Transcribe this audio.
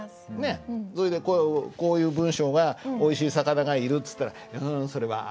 それでこういう文章が「おいしい魚がいる」っつったら「ううんそれは『ある』だよ」。